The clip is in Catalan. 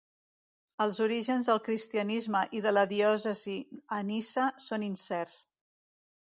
Els orígens del cristianisme i de la diòcesi a Niça són incerts.